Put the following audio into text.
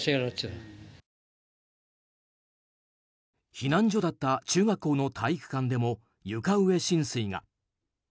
避難所だった中学校の体育館でも床上浸水が。